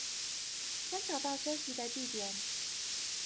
想找到休息的地點